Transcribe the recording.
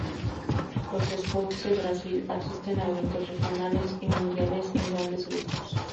Los Scouts de Brasil asisten a eventos regionales y mundiales en grandes grupos.